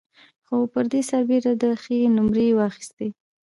خو پر دې سربېره ده ښې نومرې واخيستې.